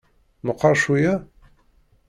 Meqqer cweyya?